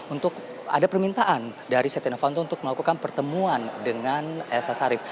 untuk ada permintaan dari setia novanto untuk melakukan pertemuan dengan elsa syarif